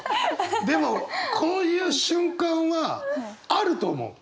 でもこういう瞬間はあると思う。